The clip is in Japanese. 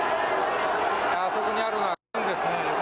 あそこにあるのが軍ですね。